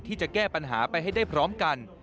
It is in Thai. ที่จะแก้ปัญหาไปให้ได้พร้อมกัน